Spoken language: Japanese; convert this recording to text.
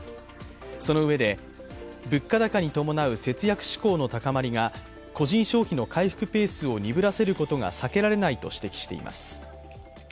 そのうえで、物価高に伴う節約志向の高まりが個人消費の回復ペースを鈍らせることが避けられないと指摘しています。